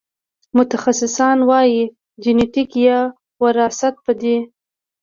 متخصصان وايي جنېتیک یا وراثت په دې